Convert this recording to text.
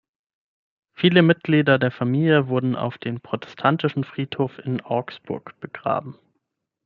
Viele Mitglieder der Familie wurden auf den Protestantischen Friedhof in Augsburg begraben.